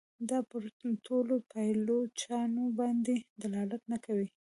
دا پر ټولو پایلوچانو باندي دلالت نه کوي.